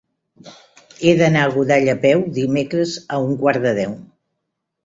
He d'anar a Godall a peu dimecres a un quart de deu.